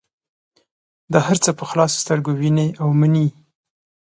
دا هر څه په خلاصو سترګو وینې او مني.